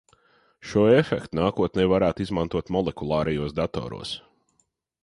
Šo efektu nākotnē varētu izmantot molekulārajos datoros.